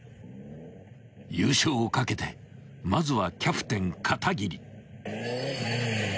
［優勝をかけてまずはキャプテン片桐］